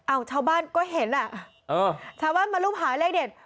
ชาวบ้านก็เห็นอ่ะเออชาวบ้านมารูปหาเลขเด็ด